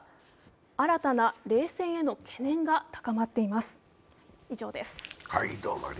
新たな冷戦への懸念が高まっています。